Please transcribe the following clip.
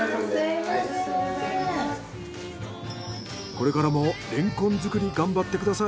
これからもレンコン作り頑張ってください。